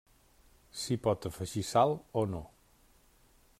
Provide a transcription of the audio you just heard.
S'hi pot afegir sal o no.